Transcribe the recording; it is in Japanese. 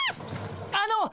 あの！